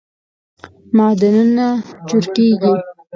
معدنونه چورکیږی